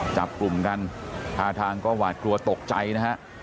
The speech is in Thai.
จับกลุ่มกันท่าทางก็หวาดกลัวตกใจนะฮะ